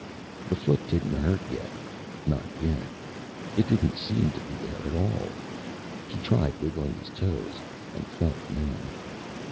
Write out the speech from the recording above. The foot didn't hurt not yet. It didn't seem to be there at all. He tried wiggling his toes and felt none.